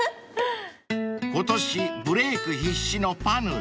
［今年ブレーク必至のパヌレ］